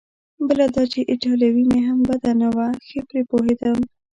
بله دا چې ایټالوي مې هم بده نه وه، ښه پرې پوهېدم.